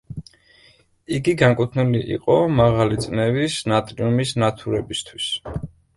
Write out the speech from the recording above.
იგი განკუთვნილი იყო მაღალი წნევის ნატრიუმის ნათურებისთვის.